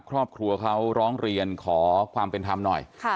ครอบครัวเขาร้องเรียนขอความเป็นธรรมหน่อย